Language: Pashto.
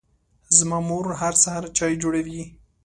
زما مور هر سهار چای جوړوي.